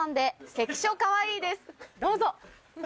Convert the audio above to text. どうぞ！